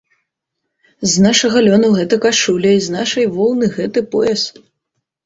З нашага лёну гэта кашуля і з нашай воўны гэты пояс.